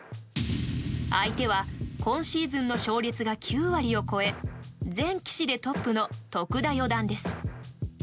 相手は今シーズンの勝率が９割を超え全棋士でトップの徳田四段です。